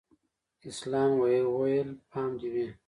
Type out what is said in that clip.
اسلام وويل پام دې و.